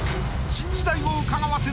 新時代をうかがわせる